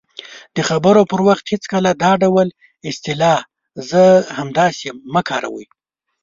-د خبرو پر وخت هېڅکله دا ډول اصطلاح"زه هم همداسې" مه کاروئ :